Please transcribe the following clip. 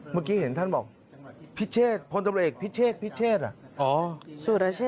เมื่อกี้เห็นท่านบอกฝนตำรวจเอกภิเชษภิเชษภิเชษ